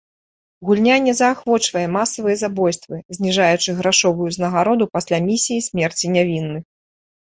Гульня не заахвочвае масавыя забойствы, зніжаючы грашовую ўзнагароду пасля місіі смерці нявінных.